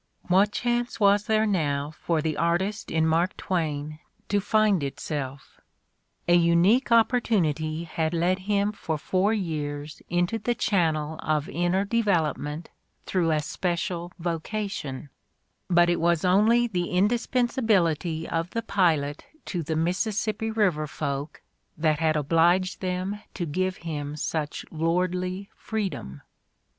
What chance was there now for the artist in Mark In the Crucible 77 Twain to find itself? A unique opportunity had led him for four years into the channel of inner development through a special vocation; but it was only the indis pensability of the pilot to the Mississippi river folk that had obliged them to give him such lordly freedom.